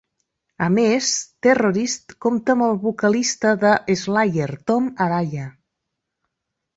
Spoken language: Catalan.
A més, "Terrorist" compta amb el vocalista de Slayer, Tom Araya.